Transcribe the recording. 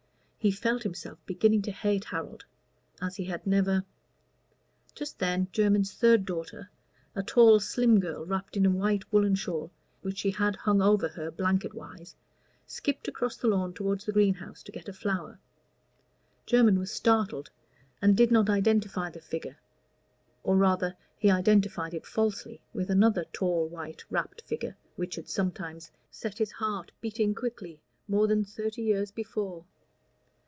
He felt himself beginning to hate Harold as he had never Just then Jermyn's third daughter, a tall slim girl, wrapped in a white woollen shawl, which she had hung over her blanket wise, skipped across the lawn toward the greenhouse to get a flower. Jermyn was startled, and did not identify the figure, or rather he identified it falsely with another tall white wrapped figure which had sometimes set his heart beating quickly more than thirty years before.